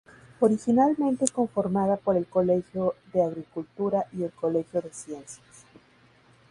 Originalmente conformada por el Colegio de Agricultura y el Colegio de Ciencias.